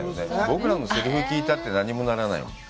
僕らのせりふ聞いたって何もならないもん。